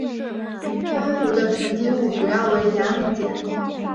该湖的沉积物主要为盐和碱。